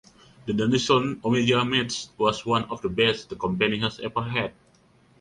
The Danielson–Omega match was one of the best the company has ever had.